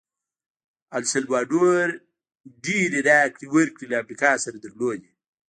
السلوادور ډېرې راکړې ورکړې له امریکا سره درلودې.